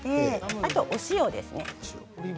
あと塩ですね。